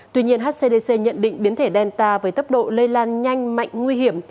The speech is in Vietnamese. tuy nhiên hcdc nhận định biến thể delta với tốc độ lây lan nhanh mạnh nguy hiểm